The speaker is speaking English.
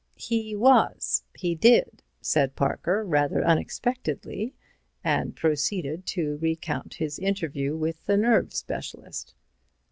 "He was; he did," said Parker, rather unexpectedly, and proceeded to recount his interview with the nerve specialist.